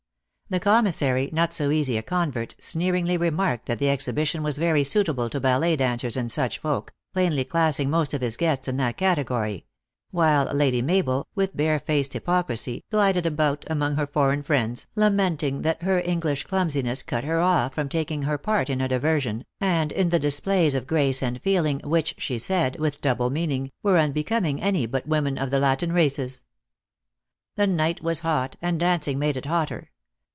The commissary, 360 THE ACTKESS IN HIGH LIFE. not so easy a convert, sneeringly remarked that the exhibition was very suitable to ballet dancers and such folk, plainly classing most of his guests in that category ; while Lady Mabel, with bare faced hypoc risy, glided about among her foreign friends, lament ing that her English clumsiness cut her off from taking her part in a diversion, and in the displays of grace and feeling, which, she said, with double meaning, were unbecoming any but women of the Latin races. The night was hot, and dancing made it hotter.